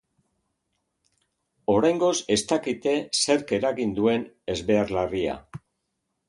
Oraingoz ez dakite zerk eragin duen ezbehar larria.